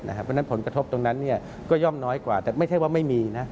เพราะฉะนั้นผลกระทบตรงนั้นก็ย่อมน้อยกว่าแต่ไม่ใช่ว่าไม่มีนะ